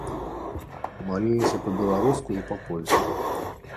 Маліліся па-беларуску і па-польску.